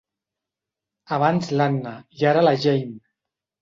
Abans l'Anna i ara la Jane.